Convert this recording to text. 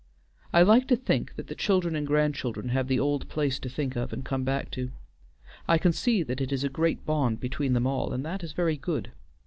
I like to think that the children and grandchildren have the old place to think of and come back to. I can see that it is a great bond between them all, and that is very good.